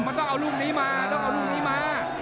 มันต้องเอาลูกนี้มาต้องเอาลูกนี้มา